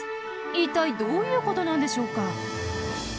一体どういうことなんでしょうか？